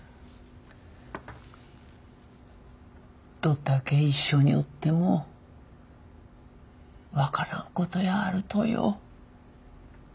どっだけ一緒におっても分からんことやあるとよ。